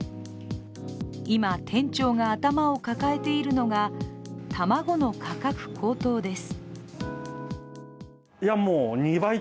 今、店長が頭を抱えているのが卵の価格高騰です。